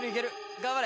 頑張れ！